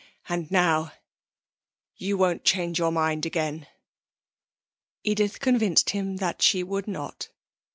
And now you won't change your mind again?' Edith convinced him that she would not.